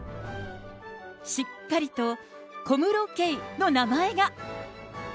しっかりと、小室圭の名前が。